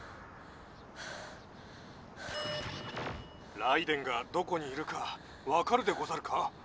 ライデェンがどこにいるかわかるでござるか？